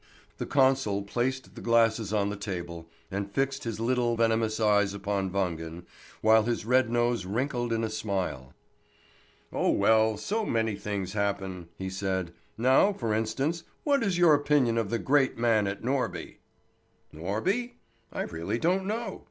The consul placed the glasses on the table, and fixed his little, venomous eyes upon Wangen, while his red nose wrinkled in a smile. "Oh well, so many things happen," he said. "Now for instance, what is your opinion of the great man at Norby?" "Norby? I really don't know.